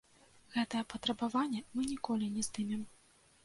Гэтае патрабаванне мы ніколі не здымем.